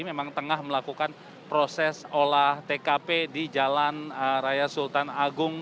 memang tengah melakukan proses olah tkp di jalan raya sultan agung